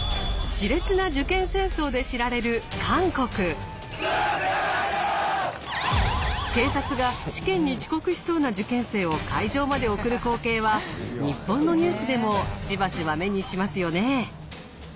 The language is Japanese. しれつな受験戦争で知られる警察が試験に遅刻しそうな受験生を会場まで送る光景は日本のニュースでもしばしば目にしますよね。